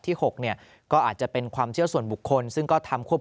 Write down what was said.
๖เนี่ยก็อาจจะเป็นความเชื่อส่วนบุคคลซึ่งก็ทำควบ